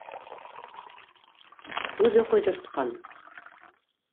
Үҙе ҡойҙортҡан.